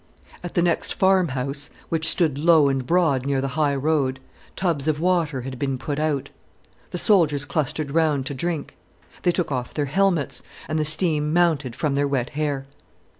At the next farm house, which stood low and broad near the high road, tubs of water had been put out. The soldiers clustered round to drink. They took off their helmets, and the steam mounted from their wet hair.